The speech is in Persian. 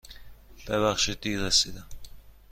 ببخشید دیر رسیدم.